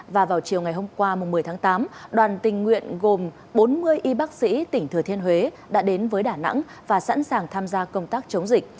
và vào chiều ngày hôm qua một mươi tháng tám đoàn tình nguyện gồm bốn mươi y bác sĩ tỉnh thừa thiên huế đã đến với đà nẵng và sẵn sàng tham gia công tác chống dịch